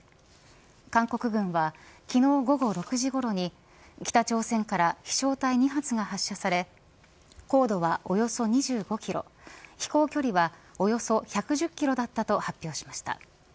韓国軍は昨日午後６時ごろに北朝鮮から飛翔体２発が発射され高度は、およそ２５キロ飛行距離はおよそ１１０キロだったと発表しました。